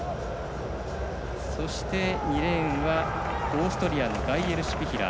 そして、２レーンはオーストリアのガイエルシュピヒラー。